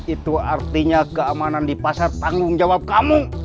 itu artinya keamanan di pasar tanggung jawab kamu